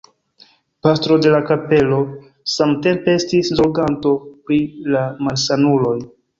Pastro de la kapelo samtempe estis zorganto pri la malsanuloj.